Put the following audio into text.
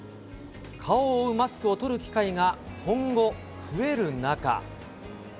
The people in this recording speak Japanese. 顔を覆うマスクを取る機会が今後、増える中。